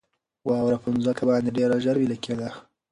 واوره په مځکه باندې ډېره ژر ویلي کېده.